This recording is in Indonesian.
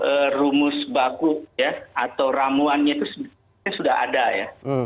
kalau rumus bagus ya atau ramuannya itu sudah ada ya